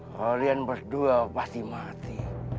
kalian berdua pasti mati